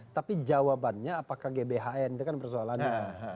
tapi jawabannya apakah gbhn itu kan persoalannya